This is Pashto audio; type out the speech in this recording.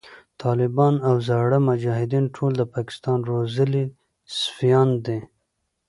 ټالبان او زاړه مجایدین ټول د پاکستان روزلی سفیان دی